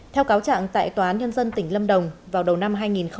theo cáo trạng tại tòa án nhân dân tỉnh lâm đồng vào đầu năm hai nghìn một mươi chín